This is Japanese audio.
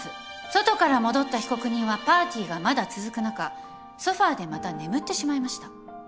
外から戻った被告人はパーティーがまだ続く中ソファでまた眠ってしまいました。